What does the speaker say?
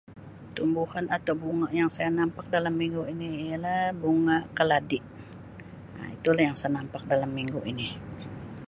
Tumbuhan atau bunga yang saya nampak dalam minggu ini ialah bunga keladi Um itu lah yang saya nampak dalam minggu ini.